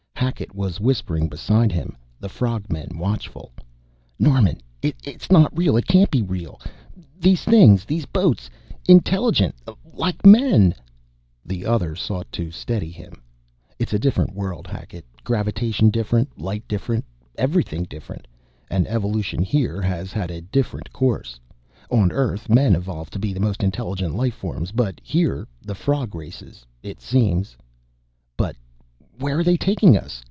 Hackett was whispering beside him, the frog men watchful. "Norman, it's not real it can't be real! These things these boats intelligent like men " The other sought to steady him. "It's a different world, Hackett. Gravitation different, light different, everything different, and evolution here has had a different course. On Earth men evolved to be the most intelligent life forms, but here the frog races, it seems." "But where are they taking us?